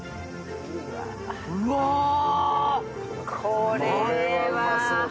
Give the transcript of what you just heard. これはうまそうだ。